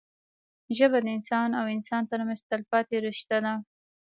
ژبه د انسان او انسان ترمنځ تلپاتې رشته ده